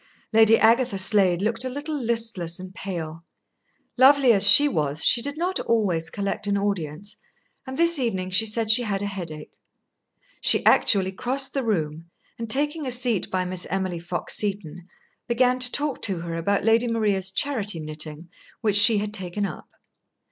Lady Agatha Slade looked a little listless and pale. Lovely as she was, she did not always collect an audience, and this evening she said she had a headache. She actually crossed the room, and taking a seat by Miss Emily Fox Seton, began to talk to her about Lady Maria's charity knitting which she had taken up.